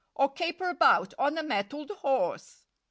Or caper about on a mettled horse!